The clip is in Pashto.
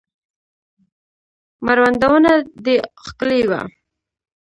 مړوندونه دې ښکلي وه